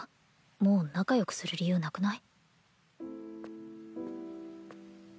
もう仲良くする理由なくない？